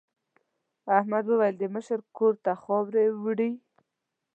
احمد وویل د مشر کور ته خاورې وړي.